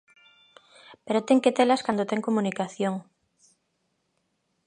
Pero ten que telas cando ten comunicación.